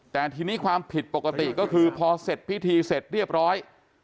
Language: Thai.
แต่ทีนี้ความผิดปกติก็คือพอเสร็จพิธีเสร็จเรียบร้อย